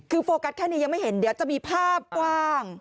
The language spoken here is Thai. คือโฟกัสแค่นี้ยังไม่เห็นเดี๋ยวจะมีภาพกว้าง